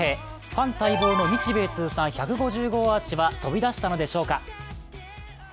ファン待望の日米通算１５０号アーチは飛び出したのでしょうか。